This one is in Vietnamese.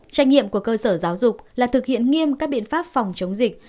trách nhiệm của cơ sở giáo dục là thực hiện nghiêm các biện pháp phòng chống dịch